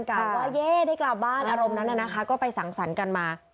คำว่าเย่ได้กลับบ้านอารมณ์นั้นนะคะก็ไปสั่งสรรค์กันมา